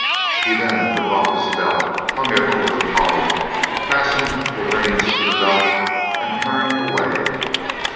He then took off his belt, hung it over the pommel, fastened the reins to the belt, and turned away.